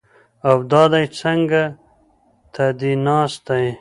او دا دی څنګ ته دې ناست دی!